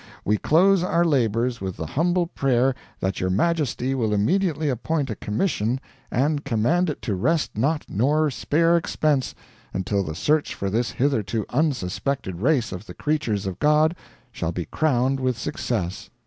We close our labors with the humble prayer that your Majesty will immediately appoint a commission and command it to rest not nor spare expense until the search for this hitherto unsuspected race of the creatures of God shall be crowned with success."